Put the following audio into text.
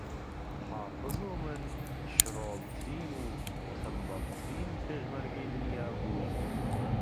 حافز و من شڕۆڵترین و تەنبەڵترین پێشمەرگەی دنیا بووین